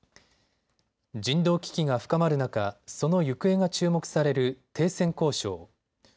人道危機が深まる中、その行方が注目される停戦交渉。